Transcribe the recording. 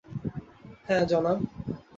হ্যাঁ, জনাব।